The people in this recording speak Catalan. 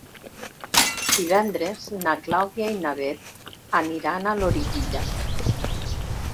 Divendres na Clàudia i na Bet aniran a Loriguilla.